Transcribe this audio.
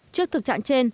trước thực trạng trên